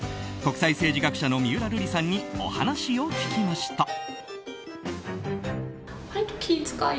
国際政治学者の三浦瑠麗さんにお話を聞きました。